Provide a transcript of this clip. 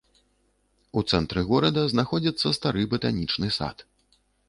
У цэнтры горада знаходзіцца стары батанічны сад.